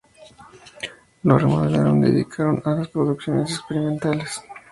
Lo remodelaron y dedicaron a producciones experimentales.